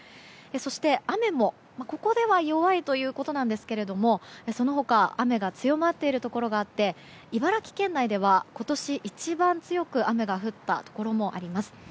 そして雨も、ここでは弱いということなんですがその他雨が強まっているところがあって茨城県内では今年一番強く雨が降ったところもあります。